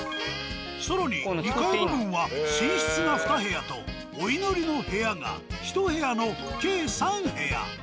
更に２階部分は寝室が２部屋とお祈りの部屋が１部屋の計３部屋。